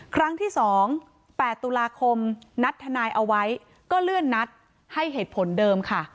ครั้งที่๒๘ตุลาคมนัดทนายเอาไว้ก็เลื่อนนัดให้เหตุผลเดิมค่ะ